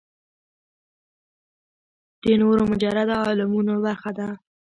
د نورو مجرده عالمونو برخه ده.